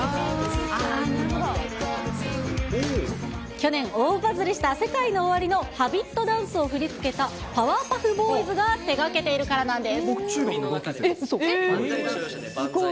去年、大バズりしたＳＥＫＡＩＮＯＯＷＡＲＩのハビットダンスを振り付けたパワーパフボーイズが手がけているからなんです。